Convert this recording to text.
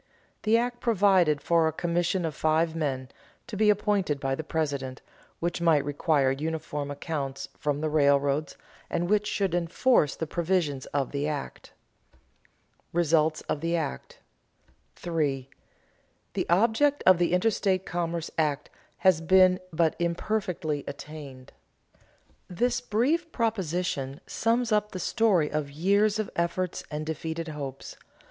The act provided for a commission of five men, to be appointed by the President, which might require uniform accounts from the railroads, and which should enforce the provisions of the act. [Sidenote: Results of the act] 3. The object of the Interstate Commerce Act has been but imperfectly attained. This brief proposition sums up the story of years of efforts and defeated hopes.